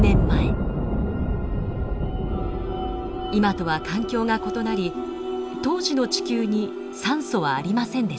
今とは環境が異なり当時の地球に酸素はありませんでした。